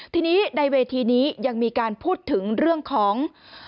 ทีนี้ในเวทีนี้ยังมีการพูดถึงเรื่องของ